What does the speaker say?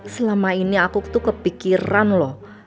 selama ini aku tuh kepikiran loh